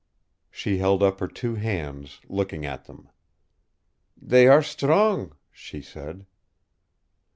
She held up her two hands, looking at them. "They are strong," she said.